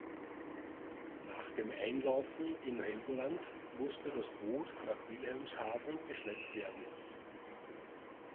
Nach dem Einlaufen in Helgoland, musste das Boot nach Wilhelmshaven geschleppt werden.